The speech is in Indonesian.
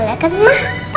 boleh kan ma